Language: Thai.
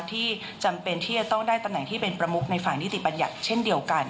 ที่จำเป็นที่จะต้องได้ตำแหน่งที่เป็นประมุกในฝั่งนิติบัญญัติเช่นเดียวกัน